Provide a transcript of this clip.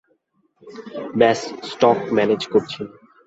ব্যাস stock manage করছি।